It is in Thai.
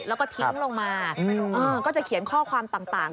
แล้วก็ทิ้งลงมาก็จะเขียนข้อความต่าง